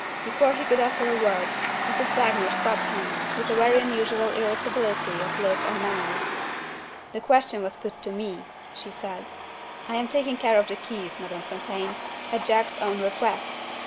Before he could utter a word, Mrs. Wagner stopped him, with a very unusual irritability of look and manner. "The question was put to me," she said. "I am taking care of the keys, Madame Fontaine, at Jack's own request.